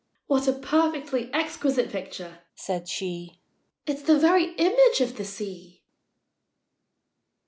"What a perfectly exquisite picture!" said she: "It's the very image of the sea!"